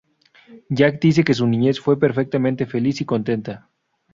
Jack dice que su niñez fue "perfectamente feliz y contenta".